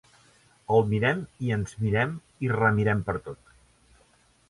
El mirem i ens mirem i remirem pertot.